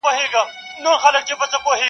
او پر سر یې را اخیستي کشمیري د خیال شالونه-